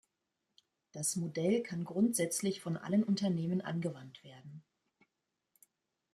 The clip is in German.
Das Modell kann grundsätzlich von allen Unternehmen angewandt werden.